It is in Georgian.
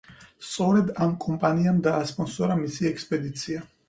სწორედ ამ კომპანიამ დაასპონსორა მისი ექსპედიცია.